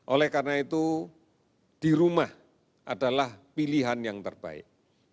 oleh karena itu di rumah adalah pilihan yang terbaik